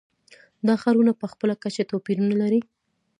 دا ښارونه په خپله کچه توپیرونه لري.